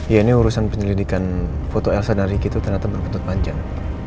ya ini urusan penyelidikan foto elsa dan riki itu ternyata berbentuk panjang